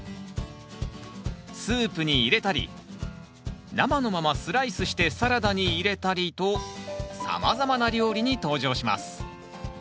スープに入れたり生のままスライスしてサラダに入れたりとさまざまな料理に登場します。